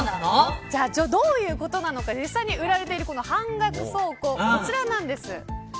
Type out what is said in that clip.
どういうことなのか実際に売られている半額倉庫こちらなんです。